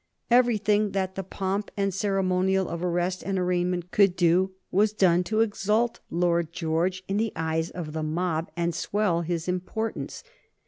Everything that the pomp and ceremonial of arrest and arraignment could do was done to exalt Lord George in the eyes of the mob and swell his importance.